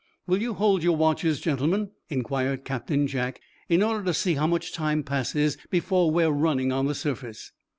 "Will you hold your watches, gentlemen," inquired Captain Jack, "in order to see how much time passes before we are running on the surface?"